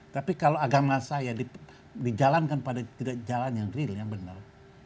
tapi kalau agama saya dijalankan pada jalan yang real yang benar